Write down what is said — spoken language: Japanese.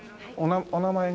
お名前が？